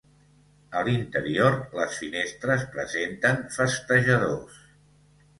A l'interior, les finestres presenten festejadors.